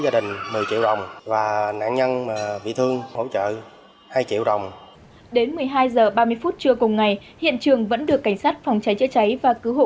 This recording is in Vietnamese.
đến một mươi một h ba mươi phút trưa cùng ngày hiện trường vẫn được cảnh sát phòng cháy chữa cháy và cứu hộ